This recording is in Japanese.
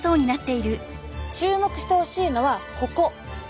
注目してほしいのはここ。